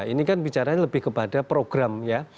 ini kan bicaranya lebih kepada program ya